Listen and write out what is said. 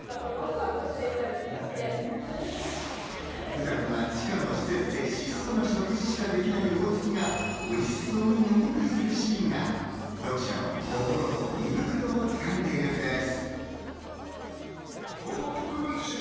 普段は地下の施設で質素な食事しかできない大槻がおいしそうに飲み食いするシーンが読者の心と胃袋を掴んでいるのです。